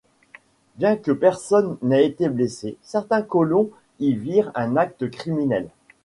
Bien que personne n'ait été blessé, certains colons y virent un acte criminel.